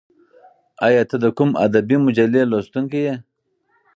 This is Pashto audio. ایا ته د کوم ادبي مجلې لوستونکی یې؟